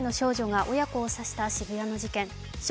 １５歳の少女が親子を刺した渋谷の事件。